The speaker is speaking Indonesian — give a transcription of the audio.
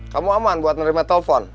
kamu aman buat menerima telepon